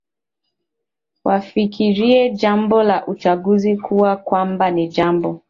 wafikirie jambo la uchaguzi kuwa kwamba ni jambo